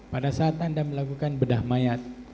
pada saat anda melakukan bedah mayat